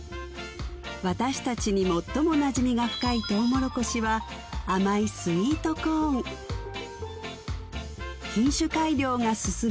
私達に最もなじみが深いとうもろこしは甘いスイートコーン品種改良が進み